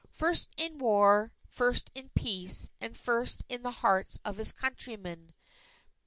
first in war, first in peace, and first in the hearts of his countrymen